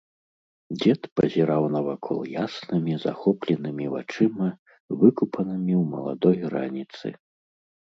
Дзед пазіраў навакол яснымі, захопленымі вачыма, выкупанымі ў маладой раніцы.